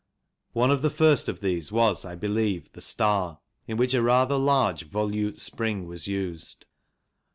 One of the first of these was, I believe, the Star, in which a rather large volute spring was used.